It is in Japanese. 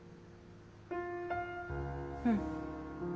うん。